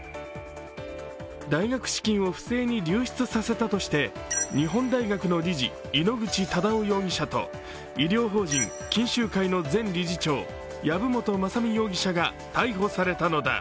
大学資金を不正に流出させたとして日本大学の理事、井ノ口忠男容疑者と医療法人錦秀会の前理事長籔本雅巳容疑者が逮捕されたのだ。